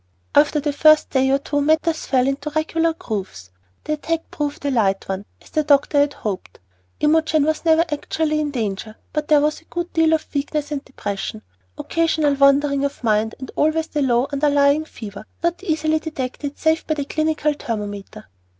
After the first day or two matters fell into regular grooves. The attack proved a light one, as the doctor had hoped. Imogen was never actually in danger, but there was a good deal of weakness and depression, occasional wandering of mind, and always the low, underlying fever, not easily detected save by the clinical thermometer.